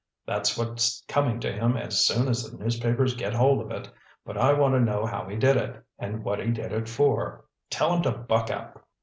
That's what's coming to him as soon as the newspapers get hold of it. But I want to know how he did it, and what he did it for. Tell him to buck up."